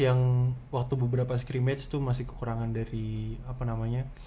yang waktu beberapa scrimage itu masih kekurangan dari apa namanya